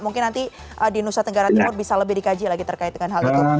mungkin nanti di nusa tenggara timur bisa lebih dikaji lagi terkait dengan hal itu